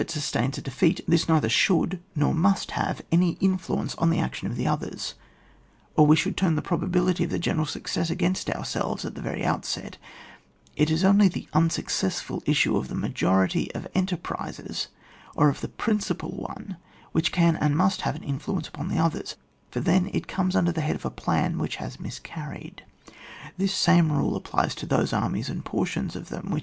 87 sustains a defeat, this neither should, nor must have, any influence on the action of the others, or we should turn the pro bability of the general success against ourselves at the very outset It is only the unsuccessful issue of the majority of enterprises or of the principal one, which can and must have an influence upon the others : for then it comes under the head of a plan which has mis carried. This same rule applies to those armies and portions of them which.